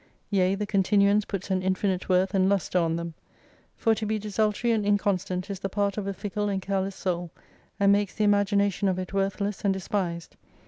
Yea, the continuance puts an infinite worth and lustre on them. For to be desultory and inconstant is the part of a fickle and careless soul, and makes the imagin ation of it worthless and despised.